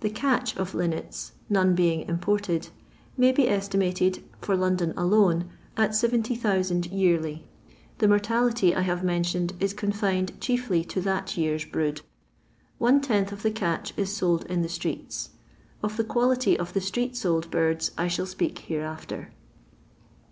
The "catch" of linnets— none being imported may be estimated, for London alone^ at 70,000 yearly. The mortality I hare mentioned is confined chiefly to that year's brood. One tenth of the catch is sold in the streets. Of the fvality of the street^old birds I shall speak btreafter.